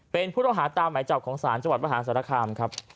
เป็นผู้ต้องหาตามหมายจับของศาลจังหวัดมหาศาลคามครับ